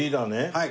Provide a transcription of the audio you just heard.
はい。